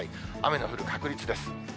雨の降る確率です。